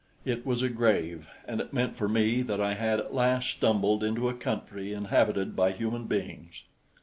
It was a grave, and it meant for me that I had at last stumbled into a country inhabited by human beings.